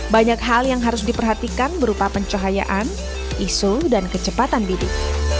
banyak hal yang harus diperhatikan berupa pencahayaan isu dan kecepatan bidik